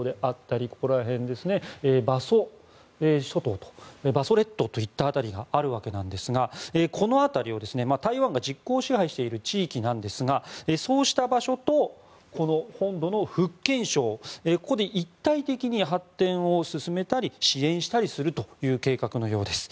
金門島や馬祖列島という辺りがあるわけですがこの辺り、台湾が実効支配している地域なんですがそうした場所とこの本土の福建省ここで一体的に発展を進めたり支援したりするという計画のようです。